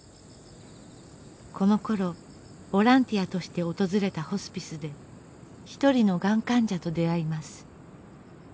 このころボランティアとして訪れたホスピスでひとりのがん患者と出会います。